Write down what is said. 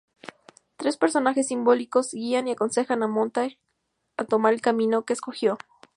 Tres personajes simbólicos guían y aconsejan a Montag a tomar el camino que escogió.